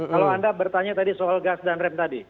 kalau anda bertanya tadi soal gas dan rem tadi